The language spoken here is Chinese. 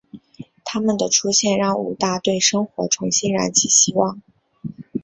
她们的出现让武大对生活重新燃起希望。